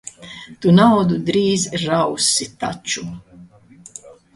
Tu naudu drīz rausi taču.